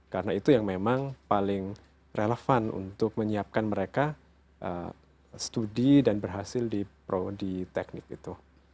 karena itu yang memang paling relevan untuk menyiapkan mereka studi dan berhasil di teknik itu